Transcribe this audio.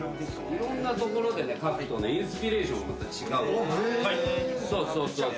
いろんなところでね描くとねインスピレーションがまた違うから。